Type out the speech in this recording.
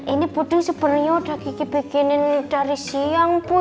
ini puding sebenarnya udah gigi bikinin dari siang bu